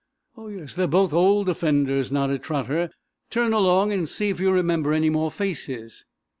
"Oh, yes; they're both old offenders," nodded Trotter. "Turn along, and see if you remember any more faces."